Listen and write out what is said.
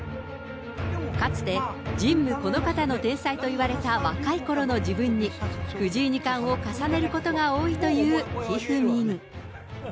かつて神武このかたの天才といわれた若いころの自分に、藤井二冠を重ねることが多いという、ひふみん。